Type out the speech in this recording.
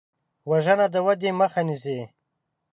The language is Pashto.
وژنه د ودې مخه نیسي